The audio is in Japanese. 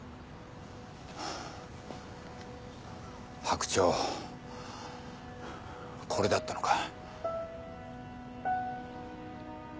白鳥これだったのか。